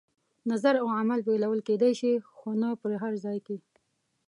نظر او عمل بېلولو کېدای شي، خو نه په هر ځای کې.